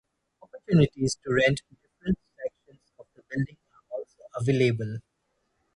Opportunities to rent different sections of the building are also available.